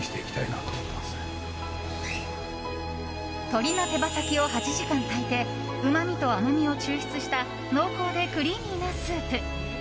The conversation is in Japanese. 鶏の手羽先を８時間炊いてうまみと甘みを抽出した濃厚でクリーミーなスープ。